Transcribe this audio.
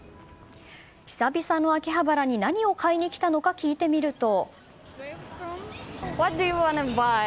久々の秋葉原に何を買いに来たのか聞いてみると。